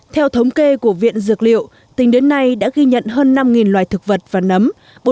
theo thống kê của viện dược liệu tính đến nay đã ghi nhận hơn năm loài thực vật và nấm